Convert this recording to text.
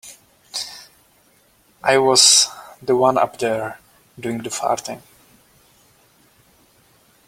I was the one up there doing the farting.